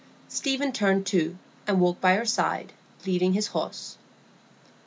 Stephen turned too, and walked by her side, leading his horse.